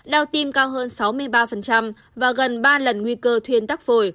đau tim cao hơn sáu mươi ba và gần ba lần nguy cơ thuyên tắc phổi